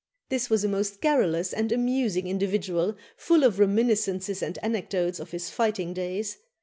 This was a most garrulous and amusing individual, full of reminiscences and anecdotes of his fighting days.